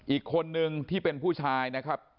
อีกคนนึงที่เป็นผู้ชายนะครับ